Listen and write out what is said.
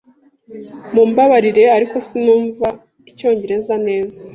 Mumbabarire, ariko sinumva icyongereza neza.